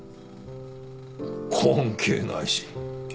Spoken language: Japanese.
関係ないし。